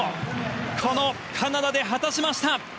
このカナダで果たしました。